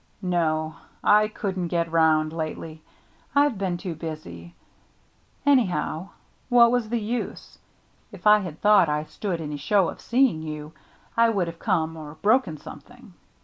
"No — I couldn't get round lately — I've been too busy. Anyhow, what was the use ? If I had thought I stood any show of seeing you, I would have come or broken something.